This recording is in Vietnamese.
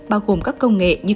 bao gồm các công nghệ như